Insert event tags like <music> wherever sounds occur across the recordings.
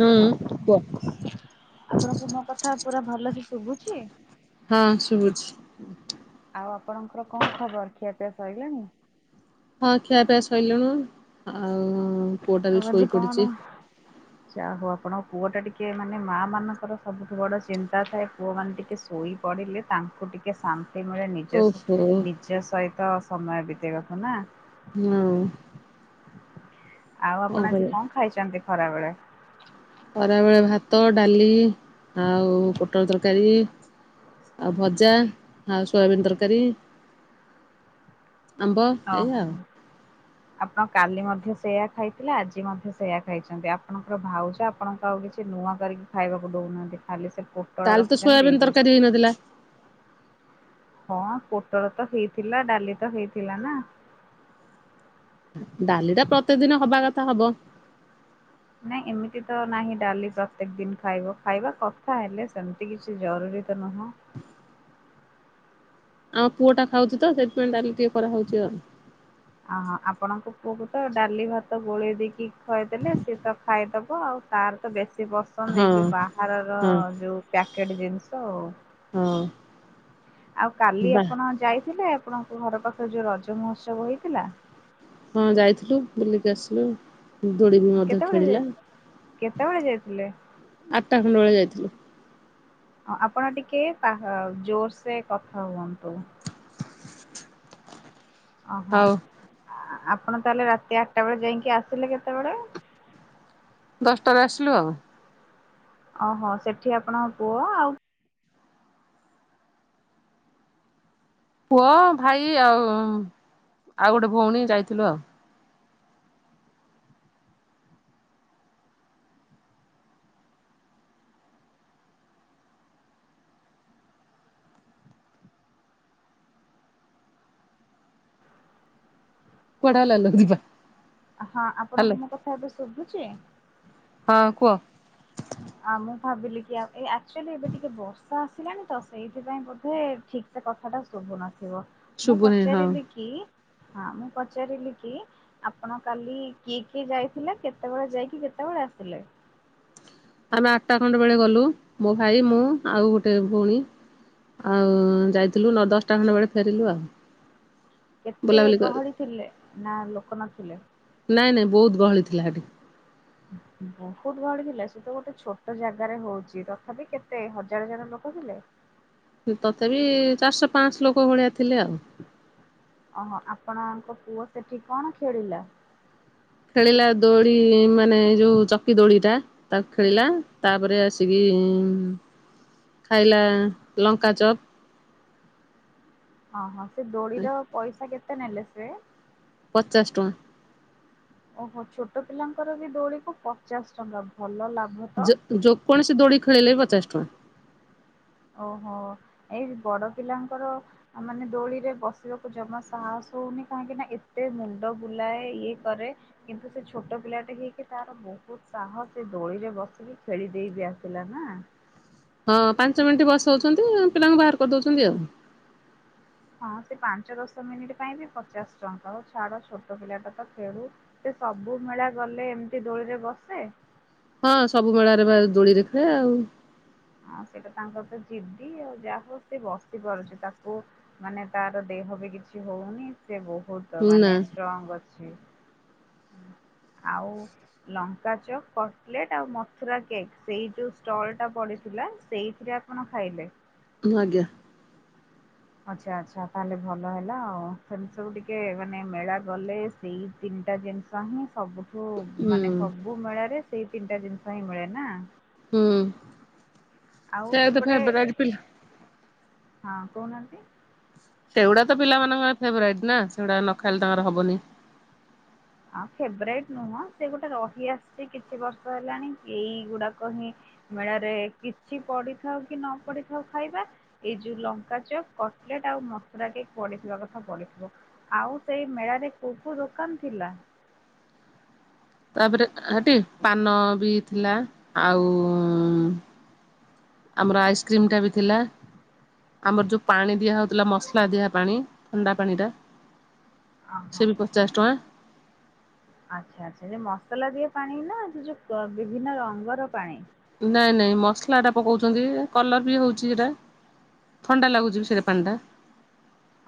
ହୁଁ କୁହ ଆପଣଙ୍କୁ ମୋ କଥା ପୁରା ଭଲକି ସୁବୁଛି? ହଁ ସୁବୁଚି। ଆଉ ଆପଣଙ୍କର କଣ ଖବର ଖିଆପିଆ ସଇଲାଣି? ହଁ ଖିଆପିଆ ସଇଲୁଣୁ ଆଉ ପୁଅଟା ଆଉ ବି ଆଜି କଣ ଶୋଇପଡିଚି। ଯାହା ହଉ ଆପଣଙ୍କ ପୁଅ ଟା ଟିକେ ମାନେ ମାଆ ମାନଙ୍କର ସବୁଠୁ ବଡ ଚିନ୍ତା ଥାଏ ପୁଅ ମାନେ ଟିକେ ଶୋଇ ପଡ଼ିଲେ ତାଙ୍କୁ ଟିକେ ଶା ଶାନ୍ତି ମିଳେ ନିଜ ଓହୋ ନିଜ ସହିତ ସମୟ ବିତେଇବାକୁ ନା। ହୁଁ। ଆଉ ଆପଣ ଆଜି କରିବା କଣ ଖାଇଛନ୍ତି ଖରା ବେଳେ? ଖରାବେଳେ ଭାତ ଡାଲି ଆଉ ପୋଟଳ ତରକାରୀ ଆଉ ଭଜା ଆଉ ସୋୟାବିିନ ତରକାରୀ <unintelligible> ଆମ୍ବ ଓହୋ। ଏଇଆଉ। ଆପଣ କାଲି ମଧ୍ୟ ସେଇଆ ଖାଇଥିଲେ ଆଜି ମଧ୍ୟ ସେଇଆ ଖାଇଛନ୍ତି ଆପଣଙ୍କର ଭାଉଜ ଆପଣଙ୍କୁ ଆଉ କିଛି ନୂଆ କରିକି ଖାଇବାକୁ ଦଉନାହାନ୍ତି ଖାଲି ସେ ପୋଟଳ କାଲି ତ ରଖିଛନ୍ତି ସୋୟାବିିନ ଦେଇ ତରକାରୀ ଦଉଛନ୍ତି। ହେଇନଥିଲା ହଁ ପୋଟଳ ତ ହେଇଥିଲା ଡାଲି ତ ହେଇଥିଲା ନା। ଡାଲିଟା ପ୍ରତିକେ ଦିନ ହବା କଥା ହବ। ନାଇଁ ଏମିତି ତ ନାହିଁ ଡାଲି ପ୍ରତ୍ୟେକ ଦିନ ଖାଇବ ଖାଇବା କଥା ହେଲେ ସେମିତି କିଛି ଜରୁରୀ ତ ନୁହଁ। ଆମ ପୁଅ ଟା ଖାଉଛି ତ ସେଥିପାଇଁ ଡାଲିଟା କରାହଉଛି ଆଉ। ଓହୋ ଆପଣଙ୍କ ପୁଅକୁ ତ ଡାଲି ଭାତ ଗୋଳେଇ ଦେଇକି ଖୁଆଇ ଦେଲେ ସିଏ ତ ଖାଇଦବ ଆଉ। ତାର ତ ବେଶୀ ପସନ୍ଦ ହଁ ଏଇ ଯୋଉ ବାହାରର ହଁ ଯୋଉ ପ୍ୟାକେଟ ଜିନିଷ ଆଉ। ହଁ। ଆଉ କାଲି ବା ଆପଣ ଯାଇଥିଲେ ଆପଣଙ୍କ ଘର ପାଖରେ ଯୋଉ ରଜ ମହୋତ୍ସବ ହେଇଥିଲା? ହଁ ଯାଇଥିଲୁ ବୁଲିକି ଆସିଲୁ। ଦୋଡି ବି ମଧ୍ୟ କେତେବେଳେ ଯାଇ ଖେଳିଲା କେତେବେଳେ ଯାଇଥିଲେ? ଆଠଟା ଖଣ୍ଡ ବେଳେ ଯାଇଥିଲୁ। ଆପଣ ଟିକେ ପା ଜୋର ସେ କଥା ହୁଅନ୍ତୁ। ଓହୋ ହଉ ଆପଣ ତାହେଲେ ରାତି ଆଠଟା ବେଳେ ଯାଇକି ଆସିଲେ କେତେବେଳେ? ଦଶଟାରେ ଆସିଲୁ ଆଉ। ଓହୋ ସେଠି ଆପଣଙ୍କ ପୁଅ ଆଉ ପୁଅ ଭାଇ ଆଉ ଆଉ ଗୋଟେ ଭଉଣୀ ଯାଇଥିଲୁ ଆଉ। ପଢା <unintelligible> ହଁ ଆପଣଙ୍କୁ ମୋ କଥା ଏବେ ଶୁଭୁଚି? ହଁ କୁହ। ଆଉ ମୁଁ ଭାବିଲି କି ଆଉ ଏ ଆକ୍ଚୁଆଲି ଏବେ ଟିକେ ବର୍ଷା ଆସିଲାଣି ତ ସେଇଥିପାଇଁ ବୋଧେ ଠିକ ସେ କଥାଟା ଶୁଭୁନଥିବ ମୁଁ ଶୁଭୁନି ହଁ ପଚାରିଲି କି ହଁ ମୁଁ ପଚାରିଲି କି ଆପଣ କାଲି କିଏ କିଏ ଯାଇଥିଲେ କେତେବେଳେ ଯାଇକି କେତେବେଳେ ଆସିଲେ? ଆମେ ଆଠଟା ଖଣ୍ଡେ ବେଳେ ଗଲୁ ମୋ ଭାଇ ମୁଁ ଆଉ ଗୋଟେ ଭଉଣୀ। ଆଉ ଯାଇଥିଲୁ ନ ଦଶଟା ଖଣ୍ଡେ ବେଳେ ଫେରିଲୁ ଆଉ। କେତେ ବୁଲାବୁଲି କରି ଗହଳି ଥିଲେ ନା ଲୋକ ନଥିଲେ? ନାଇଁ ନାଇଁ ବହୁତ ଗହଳି ଥିଲା ହେଠି। <inaudible> ବହୁତଗହଳି ଥିଲା ସେ ତ ଗୋଟେ ଛୋଟ ଜାଗାରେ ହଉଚି ତଥାପି କେତେ ହଜାର ଜଣ ଲୋକ ଥିଲେ? ତଥାପି ବି ଚାରିଶହ ପାଞ୍ଚସଲୋକ ଭଳିଆ ଥିଲେ ଆଉ। ଓହୋ ଆପଣଙ୍କ ପୁଅ ସେଠି କଣ ଖେଳିଲା? ଖେଳିଲା ଦୋଳି ମାନେ ଯୋଉ ଚକି ଦୋଳି ଟା ତାକୁ ଖେଳିଲା ତାପରେ ଆସିକି ଇଁ ଖାଇଲା ଆ ଲଙ୍କା ଚପ୍। ଓହୋ ସେ ଦୋଳିର ପଇସା କେତେ ନେଲେ ସେ? ପଚାଶ ଟଙ୍କା। ଓହୋ ଛୋଟ ପିଲାଙ୍କର ବି ଦୋଳିକୁ ପଚାଶ ଟଙ୍କା ଭଲ ଲାଭ ତ। ଯେ ଯେକୌଣସି ଦୋଳି ଖେଳିଲେ ବି ପଚାଶ ଟଙ୍କା। ଓହୋ ଏଇ ବଡ ପିଲାଙ୍କର ଆ ମାନେ ଦୋଳିରେ ବସିବାକୁ ଜମା ସାହସ ହଉନି କାହିଁକି ନା ଏତେ ମୁଣ୍ଡ ବୁଲାଏ ଇଏ କରେ କିନ୍ତୁ ସେ ଛୋଟ ପିଲାଟେ ହେଇକି ତାର ବହୁତ ସାହସ ସେ ଦୋଳିରେ ବସିକି ଖେଳି ଦେଇ ବିି ଆସିଲା ନା। ହଁ ପାଞ୍ଚ ମିନିଟ୍ ବସଉଛନ୍ତି ପିଲାଙ୍କୁ ବାହାର କରିଦଉଛନ୍ତି ଆଉ। ହଁ ସେ ପାଞ୍ଚ ଦଶ ମିନିଟ ପାଇଁ ବି ପଚାଶ ଟଙ୍କା ହଉ ଛାଡ ଛୋଟ ପିଲାଟା ତ ଖେଳୁ ଏ ସବୁ ମେଳା ଗଲେ ଏମିତି ଦୋଳିରେ ବସେ ହଁ ସବୁ ମେଳାରେ ବା ଦୋଳିରେ ଖେଳେ ଆଉ ହଁ ସେଇଟା ତାଙ୍କର ତ ଯିଦି ଆଉ ଯାହା ହଉ ସେ ବସି ପାରୁଚି ତାକୁ ମାନେ ତାର ଦେହ ବି କିଛି ହଉନି ସେ ବହୁତ ନା ମାନେ ଷ୍ଟ୍ରଙ୍ଗ ଅଛି। ଆଉ ଲଙ୍କା ଚକ୍ କକଲେଟ ଆଉ ମଥୁରା କେକ୍ ସେଇ ଯୋଉ ଷ୍ଟଲ ଟା ପଡିଥିଲା ସେଇଥିରେ ଆ ପଣ ଖାଇଲେ। ଆଜ୍ଞା। ଆଚ୍ଛା ଆଛା ତାହେଲେ ଭଲ ହେଲା ଆଉ ସେମିତି ସବୁ ଟିକେ ମାନେ ମେଳା ଗଲେ ସେଇ ତିନିଟା ଜିନିଷ ହିଁ ସବୁଠୁ ହୁଁ ମାନେ ସବୁ ମେଳାରେ ସେଇ ତିନିଟା ଜିନିଷ ହିଁ ମିଳେ ନା। ହୁଁ ଆଉ ସେତ ସେପଟେ ଫେବରାଇଟ୍ ପିଲା। ହଁ କହୁନାହାନ୍ତି। ସେଗୁଡା ତ ପିଲାମାନଙ୍କର ଫେଭରାଇଟ୍ ନା, ସେଗୁଡାକ ନଖାଇଲେ ତାଙ୍କର ହବନି। ଆଁ ଫେବରାଇଟ ନୁହଁ ସେ ଗୋଟେ ରହିଆସିଚି କିଛି ବର୍ଷ ହେଲାଣି ଏଇଗୁଡାକ ହିଁ ମେଳାରେ କିଛି ପଡିଥାଉ କି ନ ପଡିଥାଉ ଖାଇବା ଏଇ ଯୋଉ ଲଙ୍କାଚପ୍ କଟଲେଟ ଆଉ ମଥୁରା କେକ୍ ପଡିଥିବା କଥା ପଢଥିବ। ଆଉ ସେଇ ମେଳାରେ କୋଉ କୋଉ ଦୋକାନ୍ ଥିଲା? ତାପରେ <unintelligible> ପାନ ବି ଥିଲା ଆଉ ଆମର ଆଇସ୍କ୍ରିମ୍ ଟା ବି ଥିଲା। ଆମର ଯୋଉ ପାଣି ଦିଆ ହଉଥିଲା ମସଲା ଦିଆ ପାଣି ଥଣ୍ଡା ପାଣି ଟା। ଅହ ସେ ବି ପଚାଶ୍ ଟଙ୍କା। ଆଛା ଆଛା ଯୋଉ ମସଲା ଦିଆ ପାଣି ନା ସେଯୋଉ ବିଭିନ୍ନ ରଙ୍ଗର ପାଣି? ନାଇଁ ନାଇଁ ମସ୍ଲାଟା ପକଉଚନ୍ତି କଲର ବି ହଉଚି ସେଟା। ଥଣ୍ଡା ଲାଗୁଚିବି ସେଟା ପାଣିଟା।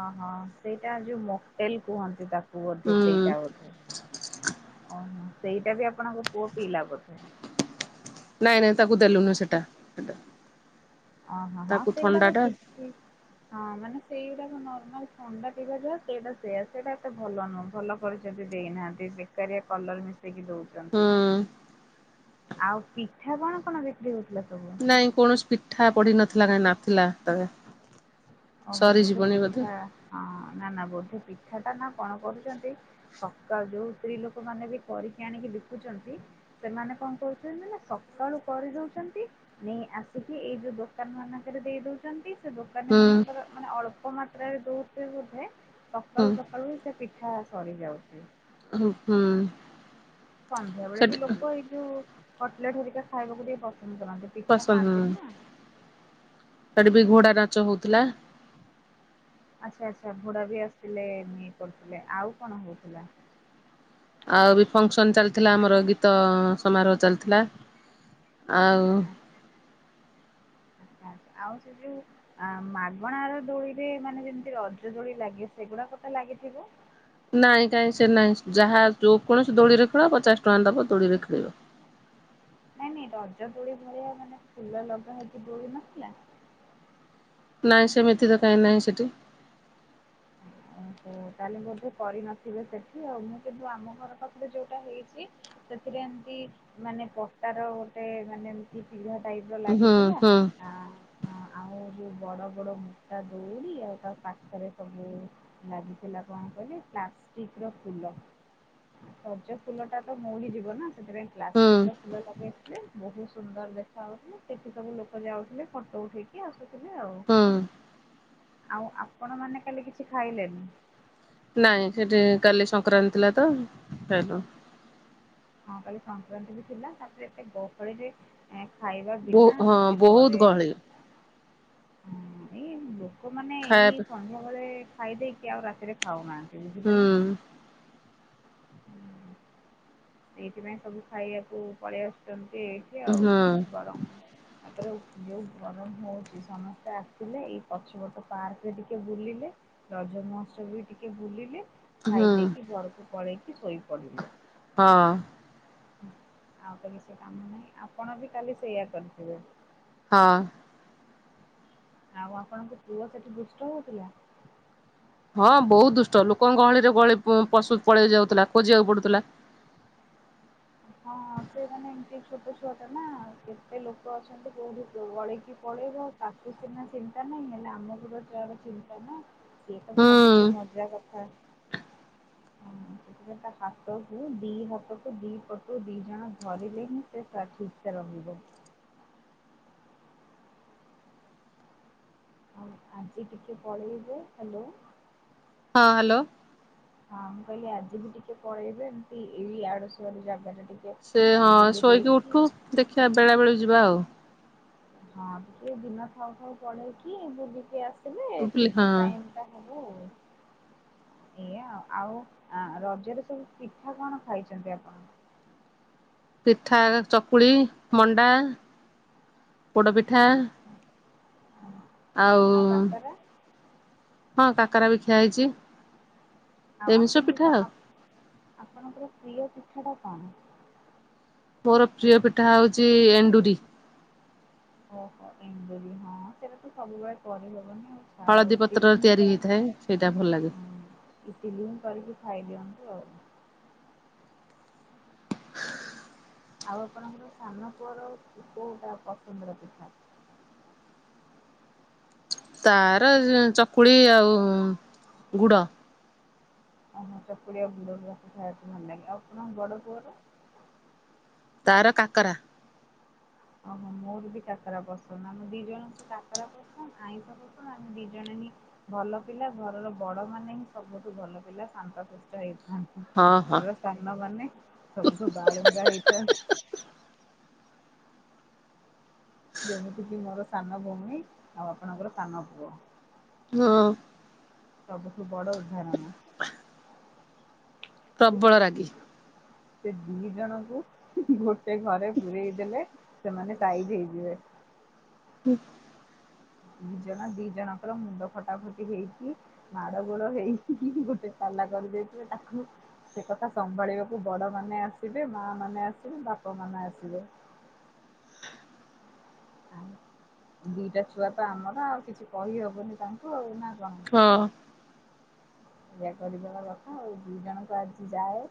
ଅହଁ ସେଇଟା ଯୋଉ ମକ୍ଟେଲ୍ କୁହନ୍ତି ତାକୁ। ପୁଅଧେ ହୁଁ ସେଇଟା ବୋଧେ। ନାଇଁ ନାଇଁ ତାକୁ ଦେଲୁନୁ ସେଟା ସେଟା। ଅହଁ ହଁ ତାକୁ ଥଣ୍ଡା ସେଇଗୁଡାକ ଟା କିଛି ହଁ ମାନେ ସେଇଗୁଡାକ ନର୍ମାଲ ଥଣ୍ଡା ପିବା ଯାହା ସେଇଟା ସେୟା ସେଇଟା ଏତେ ଭଲ ନୁହଁ ଭଲ କରିଚନ୍ତି ଦେଇନାହାନ୍ତି ବେକାରିଆ କଲର୍ ମିଶେଇକି ହୁଁ ଦଉଚନ୍ତି। ଆଉ ପିଠା କଣ କଣ ବିକ୍ରି ହଉଥିଲା ସବୁ? କାଇଁ କୌଣସି ପିଠା ପଡି ନଥିଲା କାଇଁ ନାଥିଲା ତ। ଓହୋ ବୋଧେ ପିଠା ହଁ ନା ନା ବୋଧେ ପିଠା ଟା ନା କଣ କରୁଚନ୍ତି ସକାଳୁ ଯୋଉ ସ୍ତ୍ରୀ ଲୋକ ମାନେ ବି କରିକି ଆଣିକି ବିକୁଚନ୍ତି ସେମାନେ କଣ କହୁଛନ୍ତି ନା ସକାଳୁ କରିଦଉଚନ୍ତି ନେଇ ଆସିକି ଏଇ ଯୋଉ ଦୋକାନ୍ ମାନଙ୍କରେ ଦେଇ ଦଉଚ ଚନ୍ତି ସେ ଦୋକାନୀ ହୁଁ ମାନଙ୍କର ମାନେ ଅଳ୍ପ ମାତ୍ରାରେ ଦଉଥିବେ ବୋଧେ, ହୁଁ ସକାଳୁ ସକା କାଳୁ ସେ ପିଠା ସରିଯାଉଚି। <unintelligible> ସନ୍ଧ୍ୟାବେଳେ ସେଠି ବି ଲୋକ ଏଇଯୋଉ କଟଲେଟ୍ ହେରିକା ଖାଇବାକୁ ଟିକେ ପସନ୍ଦ କରନ୍ତି। ପିଠା ପସନ୍ଦ ଖାଆନ୍ତିନି ନା ହୁଁ, ହଁ। ସେଠୀ ବି ଘୋଡା ନାଚ ହଉଥିଲା। ଆଛା ଆଛା ଘୋଡା ବି ଆସିଥିଲେ ନି କରୁଥିଲେ, ଆଉ କଣ ହଉଥିଲା? ଆଉ ବି ଫଙ୍କସନ୍ ଚାଲିଥିଲା ଆମର ଗୀତ ସମାରୋହ ଚାଲିଥିଲା। ଆଉ ଆଛା ଆଛା ଆଉ ସେ ଯୋଉ ଆ ମାଗଣାର ଦୋଳିରେ ମାନେ ଯେମତି ରଜ ଦୋଳି ଲାଗେ ସେଗୁଡାକ ତ ଲାଗିଥିବ? ନାଇଁ କାଇଁ ସେ ନାହିଁ। ଯାହା ଯୋଉ କୌଣସି ଦୋଳିରେ ଖେଳ ପଚାଶ୍ ଟଙ୍କା ଦବ ଦୋଳିରେ ଖେଳିବ। ନାଇଁ ନାଇଁ ରଜ ଦୋଳି ଭଳିଆ ମାନେ ଫୁଲ ଲଗା ହେଇକି ଦୋଳି ନଥିଲା? ନାଇଁ ସେମିତି ତ କାଇଁ ନାହିଁ ସେଠି। <unintelligible> ହୁଁ ତାହେଲେ ବୋଧେ କରିନଥିବେ ସେଠି ଆଉ ମୁଁ କିନ୍ତୁ ଆମ ଘର ପାଖରେ ଯୋଉଟା ହେଇଚି ସେଥିରେ ଏମତି ମାନେ ପଟାର ଗୋଟେ ମାନେ ବି ପିଢା ଟାଇପ୍ ର ହୁଁ ଲାଗିଥିଲା ହୁଁ ଆଁ। ହଁ ଆଉ ଯୋଉ ବଡ ବଡ ମୁଟା ଦଉଡି ଆଉ ତା ପାଖରେ ସବୁ ଲାଗିଥିଲା କଣ କହିଲେ ପ୍ଲାଷ୍ଟିକ୍ ର ଫୁଲ। ସଜ ଫୁଲ ଟା ତ ମଉଳି ଯିବ ନା, ସେଥିପାଇଁ ହୁଁ ପ୍ଲାଷ୍ଟିକ ର ଫୁଲ ଲାଗେଇଥିଲେ ବହୁତ ସୁନ୍ଦର ଦେଖା ହଉଥିଲା ସେଠି ସବୁ ଲୋକ ଯାଉଥିଲେ ଫଟୋ ଉଠେଇକି ଆସୁଥିଲେ ଆଉ। ହଁ। ଆଉ ଆପଣ ମାନେ କାଲି କିଛି ଖାଇଲେନି? ନାଇଁ ସେଠି କାଲି ସଂକ୍ରାନ୍ତି ଥିଲା ତ ଖାଇଲୁନୁ। ହଁ କାଲି ସଂକ୍ରାନ୍ତି ବି ଥିଲା ତାପରେ ଏତେ ଗହଳିରେ ଏ ଖାଇବା ବହୁ ବିନା ହଁ ହେଉଛି ବହୁତ ଘରେ, ଗହଳି ହଁ ଏଇ ଲୋକମାନେ ଏଇ ଖାଇବା ସନ୍ଧ୍ୟାବେଳେ ଖାଇଦେଇକି ଆଉ ରାତିରେ ଖାଉନାହାନ୍ତି ହୁଁ ବୁଝିଲେ ନା। ହୁଁ ଏଇଥିପାଇଁ ସବୁ ଖାଇବାକୁ ପଳେଇ ଆସୁଛନ୍ତି ଏଇଠି ଆଉ ହୁଁ ବରଂ ତାପରେ ଯୋଉ ଗରମ ହୋଉଛି ସମସ୍ତେ ଆସିଲେ ଏଇ ପଛପଟ ପାର୍କ ରେ ଟିକେ ବୁଲିଲେ ରଜ ମହୋତ୍ସବ ବି ଟିକେ ବୁଲିଲେ ହଁ ଖାଇଦେଇକି ଘରକୁ ପଳେଇକି ଶୋଇ ପଡିଲେ। ହଁ। ଆଉ ତ କିଛି କାମ ନାହିଁ। ଆପଣ ବି କାଲି ସେଇଆ କରିଥିବେ। ହଁ। ଆଉ ଆପଣଙ୍କ ପୁଅ ସେଠି ଦୁଷ୍ଟ ହୋଉଥିଲା। ହଁ ବହୁତ ଦୁଷ୍ଟ। ଲୋକଙ୍କ ଗହଳିରେ ଗଳି ପଶୁ ପଳେଇ ଯାଉଥିଲା, ଖୋଜିବାକୁ ପଡୁଥିଲା। ହଁ ସେ ମାନେ ଏମିତି ଛୋଟ ଛୁଆ ଟା ନା, କେତେ ଲୋକ ଅଛନ୍ତି କୋଉଠି ଗଳେଇକି ପଳେଇବ ତାକୁ ସିନା ଚିନ୍ତା ନାହିଁ, ହେଲେ ଆମକୁ ତ ତାର ଚିନ୍ତା ନା। ସିଏ ତ ହୁଁ। ଭାବୁଛି ହଁ ମଜା କଥା। ହୁଁ ସେଥିପାଇଁ ତା ହାତକୁ ଦି ହାତକୁ ଦି ପଟୁ ଦି ଜଣ ଧରିଲେ ହିଁ ସେ ଠିକ୍ ସେ ରହିବ। ଆଉ ଆଜି ଟିକେ ପଳେଇବେ ହାଲୋ ହଁ, ହାଲୋ ହଁ ମୁଁ କହିଲି ଆଜି ବି ଟିକେ ପଳେଇବେ ଏମିତି ଏଇ ଇଆଡୁ ସିଆଡୁ ଜାଗା ଟା ଟିକେ ସେ ହଁ ବୁଲି ଶୋଇକି ଦେଇକି ଉଠୁ ଦେଖିଆ ବେଳାବେଳି ଯିବା ଆଉ। ହଁ ଟିକେ ଦିନ ଥାଉ ଥାଉ ପଳେଇକି ବୁଲିକି ଆସିଲେ ଠିକ୍ ହଁ ଟାଇମ୍ ଟା ହବ ଆଉ। ଏଇୟା, ଆଉ ରଜରେ ସବୁ ପିଠା କଣ ଖାଇଛନ୍ତି ଆପଣ? ପିଠା ଚକୁଳି, ମଣ୍ଡା, ପୋଡପିଠା ଆଉ ହଁ କାକରା ବି ଖିଆ ହେଇଛି। ଆଉ ଏମିତି ସବୁ ଆପଣଙ୍କୁ ପିଠା ସ ଆଉ ଆପ, ଆପଣଙ୍କର ପ୍ରିୟ ପିଠାଟା କଣ? ମୋର ପ୍ରିୟ ପିଠା ହଉଛି ଏଣ୍ଡୁରି। ଓହୋ ଏଣ୍ଡୁରି, ହଁ ସେଇଟା ତ ସବୁବେଳେ କରିହେବନି ଆଉ। ଛାଡ଼ ହଳଦୀ ଇଟିଲି ପତ୍ରର ହିଁ ତିଆରି କର ହେଇଥାଏ, ସେଇଟା ଭଲ ଲାଗେ। ହଁ ଇଟିଲି ହିଁ କରିକି ଖାଇଦିଅନ୍ତୁ ଆଉ। ଆଉ ଆପଣଙ୍କର ସାନପୁଅର କୋଉଟା ପସନ୍ଦର ପିଠା? ତାର ଚକୁଳି ଆଉ ଗୁଡ। ଓହୋ ଚକୁଳି ଆଉ ଗୁଡ ଦିଆ ପିଠା ଭଲ ଲାଗେ। ଆଉ ତମ ବଡ ପୁଅର? ତାର କାକରା। ଓହୋ ମୋର ବି କାକରା ପସନ୍ଦ। ଆମ ଦି ଜଣଙ୍କୁ କାକରା ପସନ୍ଦ ଆଇଁସ ପସନ୍ଦ ଆମେ ଦି ଜଣ ହିଁ ଭଲ ପିଲା, ଘରର ବଡ ମାନେ ହିଁ ସବୁଠୁ ଭଲ ପିଲା ଶାନ୍ତଶିଷ୍ଟ ହେଇଥାନ୍ତି। ହଁ ହଁ ଘରର ସାନ ମାନେ ସବୁଠୁ ବାଳୁଙ୍ଗା ହେଇଥାନ୍ତି। ଯେମିତି କିି ମୋର ସାନ ଭଉଣୀ, ଆଉ ଆପଣଙ୍କର ସାନ ପୁଅ। ହଁ। ସବୁଠୁ ବଡ ଉଦାହରଣ। । ସେ ପ୍ରବଳ ରାଗି। ସେ ଦି ଜଣଙ୍କୁ ଗୋଟେ ଘରେ ପୂରେଇ ଦେଲେ ସେମାନେ ସାଇଜ ହେଇଯିବେ। ହୁଁ। ଦୁ ଜଣ ଦି ଜଣଙ୍କର ମୁଣ୍ଡ ଫଟାଫଟି ହେଇକି ମାଡ ଗୋଳ ହେଇକି ଗୋଟେ ପାଲା କରିଦେଇଥିବେ ତାକୁ ସେ କଥା ସମ୍ଭାଳିବାକୁ ବଡ ମାନେ ଆସିବେ ମା ମାନେ ଆସିବେ ବାପା ମାନେ ଆସିବେ। ଦିଟା ଛୁଆ ତ ଆମର ଆଉ କିଛି କହିହବନି ତାଙ୍କୁ ନା କଣ। ହଁ। ଇୟା କରିବାଦବା କଥା ଆଉ ଦିଇ ଜଣଙ୍କୁ ଆଜି ଯାଏ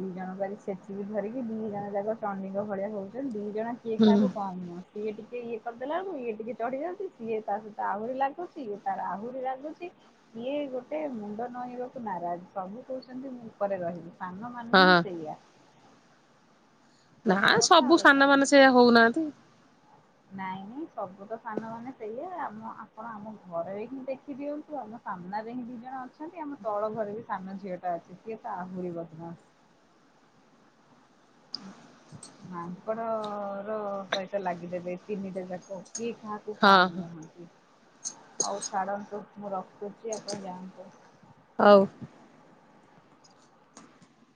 ଦି ଜଣ କରି ସେଚିବି ଧରିକି ଦି ଜଣ ଯାକ ଚଣ୍ଡିଙ୍କ ଭଳିଆ ହଉଛନ୍ତି ଦି ଜଣ କେହି ହୁଁ କାହାକୁ କମ ନୁହେଁ ସିଏ ଟିକେ ଇଏ କରିଦେଲା ବେଳା କୁ ଇଏ ଟିକେ ଚଢି ଯାଉଛି ସିଏ ତା ସହିତ ଆହୁରି ଲାଗୁଛି ଇଏ ତାର ଆହୁରି ଲାଗୁଛି ଇଏ ଗୋଟେ ମୁଣ୍ଡ ନଇବାକୁ ନାରାଜ ସବୁ କହୁଛନ୍ତି ମୁଁ ଉପରେ ରହିବି ସାନମାନେ ହଁ ହିଁ ସେଇୟଆ। ନା କଥା ସବୁ ସାନ ମାନ ସେଇୟଆ ହଉନାହାନ୍ତି। । ନାଇଁ ନାଇଁ ସବୁ ତ ସାନମାନେ ସେଇଆ ଆମ ଆପଣ ଆମ ଘରେ ବିକି ଦେଖିଦିଅନ୍ତୁ ଆମ ସାମ୍ନାରେ ହିଁ ଦି ଜଣ ଅଛନ୍ତି ଆମ ତଳ ଘରେ ବି ସାନ ଝିଅ ଟା ଅଛି ସିଏ ତ ଆହୁରି ବଦମାସ। ମାପଡ଼ ର ସହିତ ଲାଗିଦେବେ ତିନିଟା ଯାକ କିଏ ଖା ହଁ କମ୍ ହଁ ନୁହନ୍ତି ଆଉ ଛାଡନ୍ତୁ ମୁଁ ରଖୁଛି ଆପଣ ଯାଆନ୍ତୁ। ହଉ।